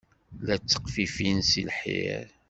La tteqfifin seg lḥir.